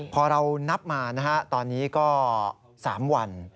พอเรานับมาตอนนี้ก็๓วัน